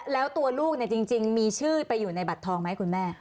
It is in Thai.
แล้วตัวลูกจริงมีชื่อไปอยู่ในบัตรทองไหมคุณแม่